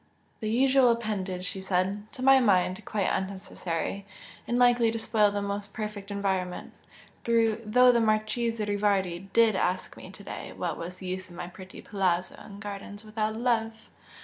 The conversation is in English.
"The usual appendage!" she said "To my mind, quite unnecessary, and likely to spoil the most perfect environment! Though the Marchese Rivardi DID ask me to day what was the use of my pretty 'palazzo' and gardens without love!